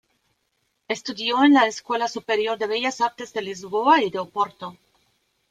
Estudió en la escuela superior de Bellas Artes de Lisboa y de Oporto.